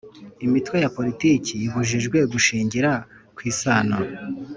Imitwe ya politiki ibujijwe gushingira ku isano